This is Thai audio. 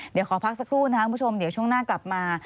เดี๋ยวขอพักสักครู่นะครับคุณผู้ชมเดี๋ยวช่วงหน้ากลับมา